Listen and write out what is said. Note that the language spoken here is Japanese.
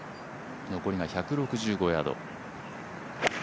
残りが１６５ヤード。